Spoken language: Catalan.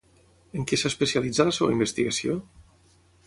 En què s'especialitza la seva investigació?